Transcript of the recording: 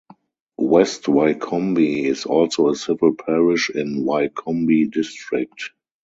West Wycombe is also a civil parish in Wycombe district.